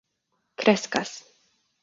kreskas